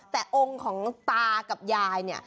แต่องค์ของตากับยายเนี่ย